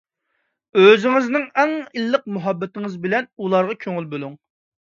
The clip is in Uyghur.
ئۆزىڭىزنىڭ ئەڭ ئىللىق مۇھەببىتىڭىز بىلەن ئۇلارغا كۆڭۈل بۆلۈڭ.